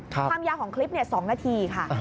ความยาวของคลิป๒นาทีค่ะ